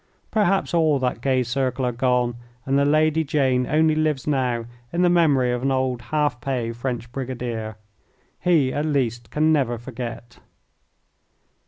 Perhaps all that gay circle are gone and the Lady Jane only lives now in the memory of an old half pay French brigadier. He at least can never forget.